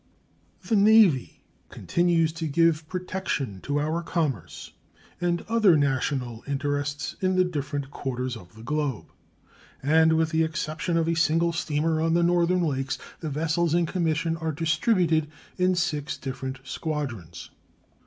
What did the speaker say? The Navy continues to give protection to our commerce and other national interests in the different quarters of the globe, and, with the exception of a single steamer on the Northern lakes, the vessels in commission are distributed in six different squadrons.